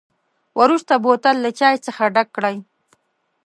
وروسته بوتل له چای څخه ډک کړئ.